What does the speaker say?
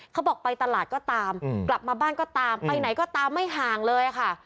เขาบอกไปตลาดก็ตามกลับมาบ้านก็ตามไปไหนก็ตามไม่ห่างเลยค่ะ